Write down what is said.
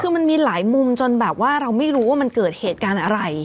คือมันมีหลายมุมจนแบบว่าเราไม่รู้ว่ามันเกิดเหตุการณ์อะไร